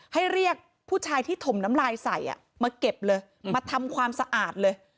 ให้เรียกผู้ชายที่ถมน้ำลายใส่มาเก็บเลยมาทำความสะอาดเลย